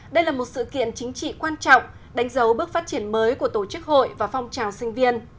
đây là một sự kiện chính trị quan trọng đánh dấu bước phát triển mới của tổ chức hội và phong trào sinh viên